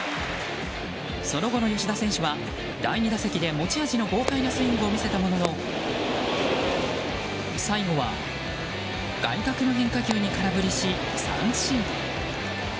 その後の吉田選手は第２打席で持ち味の、豪快なスイングを見せたものの最後は外角の変化球に空振りし、三振。